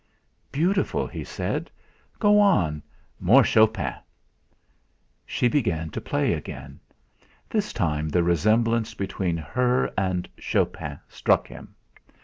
"Beautiful!" He said: "Go on more Chopin!" She began to play again. This time the resemblance between her and '.hopin' struck him.